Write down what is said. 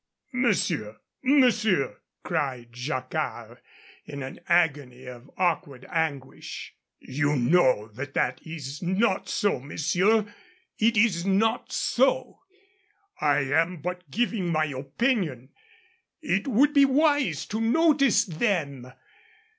"Monsieur, monsieur!" cried Jacquard in an agony of awkward anguish. "You know that it is not so, monsieur. It is not so; I am but giving my opinion. It would be wise to notice them.